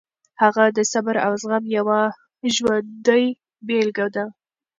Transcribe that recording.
هغه د صبر او زغم یوه ژوندۍ بېلګه ده.